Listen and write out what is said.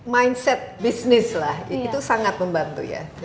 mindset bisnis lah itu sangat membantu ya